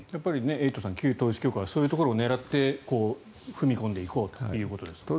エイトさん、旧統一教会はそういうところを狙って踏み込んでいこうということですよね。